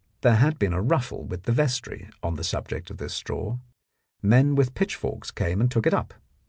There had been a ruffle with the vestry on the subject. of this straw. Men with pitch forks came and took it up.